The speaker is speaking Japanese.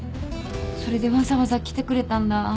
それでわざわざ来てくれたんだ。